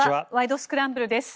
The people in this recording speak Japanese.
スクランブル」です。